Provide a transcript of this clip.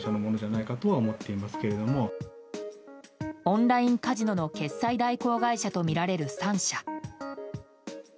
オンラインカジノの決済代行会社とみられる３社。